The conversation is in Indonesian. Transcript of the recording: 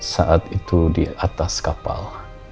saat itu di atas kapal